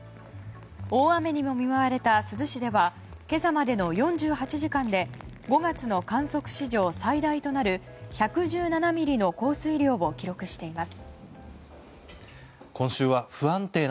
大雨にも見舞われた珠洲市では今朝までの４８時間で５月の観測史上最大となる１１７ミリの降水量を記録しています。